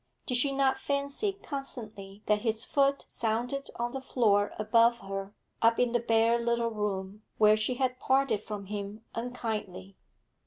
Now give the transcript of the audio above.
Did she not fancy constantly that his foot sounded on the floor above her, up in the bare little room, where she had parted from him unkindly?